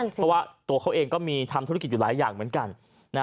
เพราะว่าตัวเขาเองก็มีทำธุรกิจอยู่หลายอย่างเหมือนกัน